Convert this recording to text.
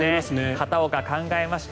片岡、考えました。